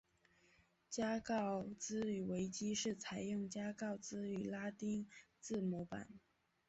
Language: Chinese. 加告兹语维基是采用加告兹语拉丁字母版。